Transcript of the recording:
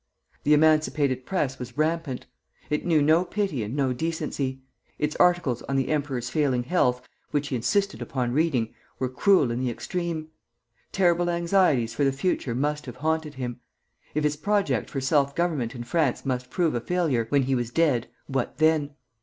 The emancipated Press was rampant. It knew no pity and no decency. Its articles on the emperor's failing health (which he insisted upon reading) were cruel in the extreme. Terrible anxieties for the future must have haunted him. If his project for self government in France must prove a failure, when he was dead, what then?